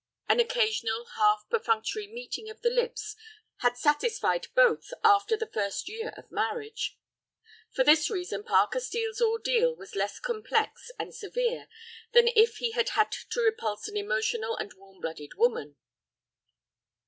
An occasional half perfunctory meeting of the lips had satisfied both after the first year of marriage. For this reason Parker Steel's ordeal was less complex and severe than if he had had to repulse an emotional and warm blooded woman.